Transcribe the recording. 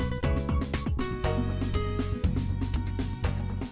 xin cảm ơn ông trương